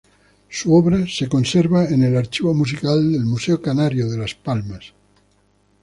Su obra se conserva en el Archivo Musical del Museo Canario de Las Palmas.